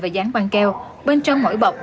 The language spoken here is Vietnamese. và dán băng keo bên trong mỗi bọc